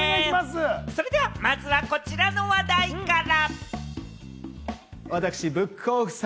それでは、まずはこちらの話題から。